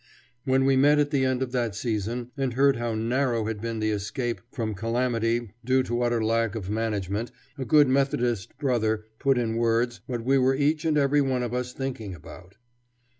When we met at the end of that season, and heard how narrow had been the escape from calamity due to utter lack of management, a good Methodist brother put in words what we were each and every one of us thinking about.